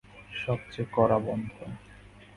সব চেয়ে কড়া বন্ধন।